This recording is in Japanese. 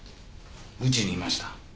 うちにいました。